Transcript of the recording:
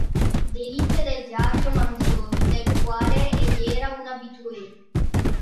Delizia del teatro Manzoni, del quale egli era un habitué.